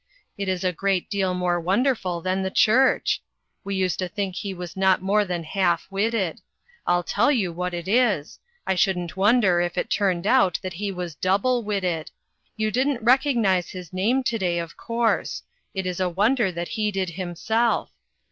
It is a great deal more wonderful than the church ! We used to think he was not more than half witted. I'll tell you what it is : I shouldn't wonder if it turned out that he was double witted. You didn't recognize his name to day, of course ; it is a wonder that he did himself.